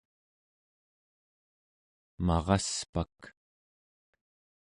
maraspak